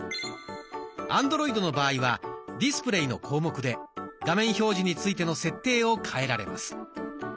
アンドロイドの場合は「ディスプレイ」の項目で画面表示についての設定を変えられます。